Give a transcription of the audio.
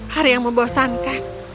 hari yang membosankan